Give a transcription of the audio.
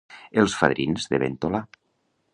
Els fadrins de Ventolà.